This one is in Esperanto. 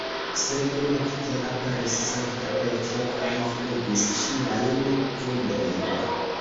Sed nokte aperis Sankta Petro kaj flegis ŝiajn vundojn.